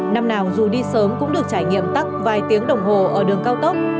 năm nào dù đi sớm cũng được trải nghiệm tắt vài tiếng đồng hồ ở đường cao tốc